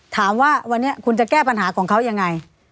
ถามว่าวันนี้คุณจะแก้ปัญหาของเขายังไง